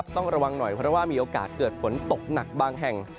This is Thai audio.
ต้องระวังหน่อยเพราะว่ามีโอกาสเกิดฝนตกหนักบางแห่ง